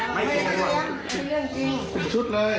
ไม่เหลือเกลียดหรอกเป็นชุดเลย